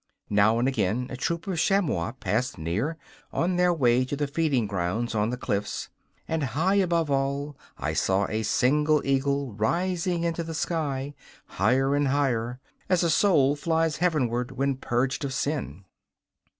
Now and again a troop of chamois passed near, on their way to the feeding grounds on the cliffs, and high above all I saw a single eagle rising into the sky, higher and higher, as a soul flies heavenward when purged of sin.